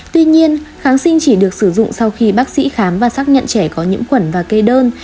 tuy nhiên kháng sinh chỉ được sử dụng sau khi bác sĩ khám và xác nhận trẻ có nhiễm khuẩn và kê đơn